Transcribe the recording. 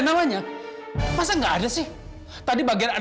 saya pulang sekarang dokter